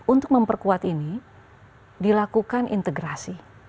untuk memperkuat ini dilakukan integrasi